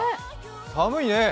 寒いね。